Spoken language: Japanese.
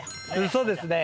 そうですね。